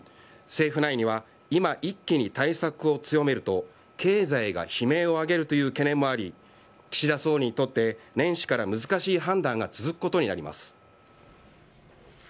政府内には今、一気に対策を強めると経済が悲鳴を上げるという懸念もあり岸田総理にとって年始から難しい判断が続くことになります。